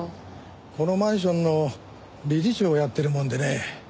このマンションの理事長をやってるもんでね。